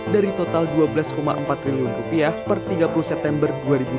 dari total rp dua belas empat triliun rupiah per tiga puluh september dua ribu dua puluh